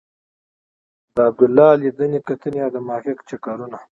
د عبدالله لیدنې کتنې او د محقق چکرونه.